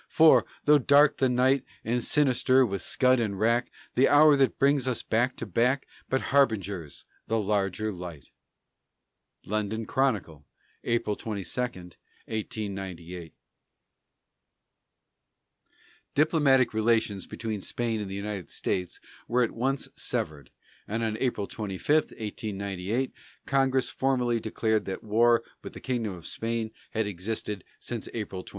For, though dark the night And sinister with scud and rack, The hour that brings us back to back But harbingers the larger light. London Chronicle, April 22, 1898. Diplomatic relations between Spain and the United States were at once severed, and on April 25, 1898, Congress formally declared that war with the Kingdom of Spain had existed since April 21.